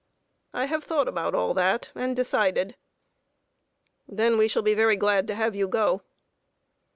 "I have thought about all that, and decided." "Then we shall be very glad to have you go."